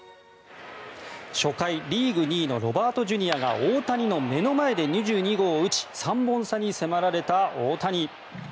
初回、リーグ２位のロバート・ジュニアが大谷の目の前で２２号を打ち３本差に迫られた大谷。